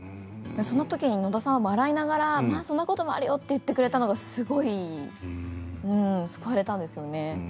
その時に野田さんは笑いながら、まあそんなこともあるよと言ってくれたのが救われたんですよね。